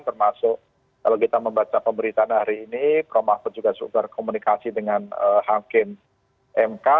termasuk kalau kita membaca pemberitaan hari ini prof mahfud juga sudah berkomunikasi dengan hakim mk